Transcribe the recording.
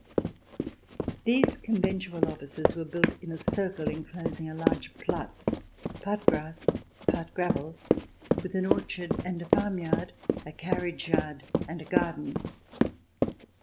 These conventual offices were built in a circle enclosing a large Platz, part grass, part gravel, with an orchard and a farmyard, a carriage yard, and a garden.